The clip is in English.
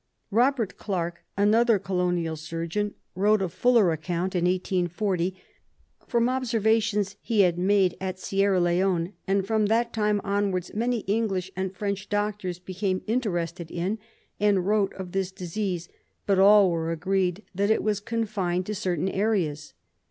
Eobert Clarke, another Colonial surgeon, wrote a fuller lo RESEARCH DEFENCE SOCIETY account in 1840 from observations he had ma3e at Sierra Leone, and from that time onwards many English and French doctors became interested in and wrote of this disease, but all were agreed that it was confined to certain areas.